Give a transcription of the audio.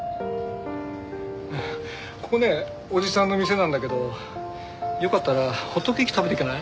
ここねおじさんの店なんだけどよかったらホットケーキ食べていかない？